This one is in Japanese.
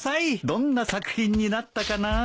どんな作品になったかなぁ。